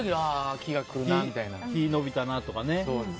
日が伸びたなとかね。